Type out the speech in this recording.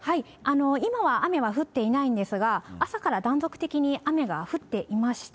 今は雨は降っていないんですが、朝から断続的に雨が降っていました。